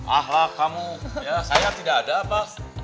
ahlak kamu ya saya tidak ada apa